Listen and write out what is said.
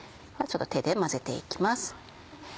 ちょっと手で混ぜて行きます。